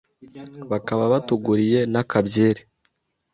bakaba batuguriye n’aka byeri